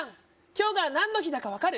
今日が何の日だか分かる？